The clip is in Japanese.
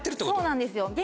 そうなんですよ。